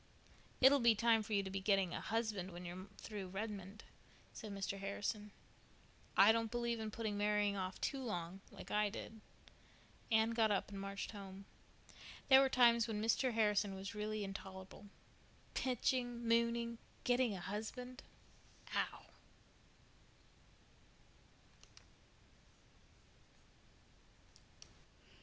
"It'll be time for you to be getting a husband when you're through Redmond," said Mr. Harrison. "I don't believe in putting marrying off too long—like I did." Anne got up and marched home. There were times when Mr. Harrison was really intolerable. "Pitching," "mooning," and "getting a husband." Ow!!